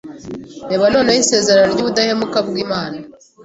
Reba noneho isezerano ry’ubudahemuka bw’Imana